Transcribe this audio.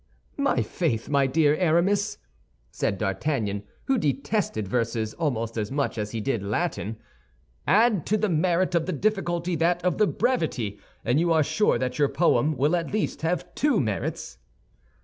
"My faith, my dear Aramis," said D'Artagnan, who detested verses almost as much as he did Latin, "add to the merit of the difficulty that of the brevity, and you are sure that your poem will at least have two merits."